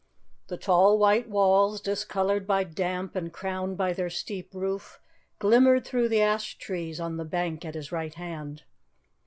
The tall white walls, discoloured by damp and crowned by their steep roof, glimmered through the ash trees on the bank at his right hand.